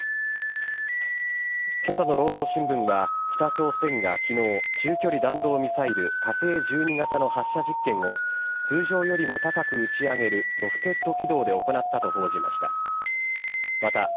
けさの労働新聞は北朝鮮がきのう、中距離弾道ミサイル、火星１２型の発射実験を通常よりも高く打ち上げるロフテッド軌道で行ったと報じました。